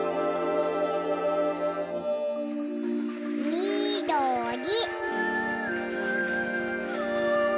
みどり。